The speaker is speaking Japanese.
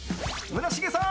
村重さん